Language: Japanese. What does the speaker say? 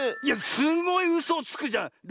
いやすごいうそをつくじゃん！